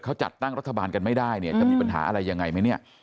เขาจัดตั้งรัฐบาลกันไม่ได้เนี่ยจะมีปัญหาอะไรยังไงไหมเนี่ย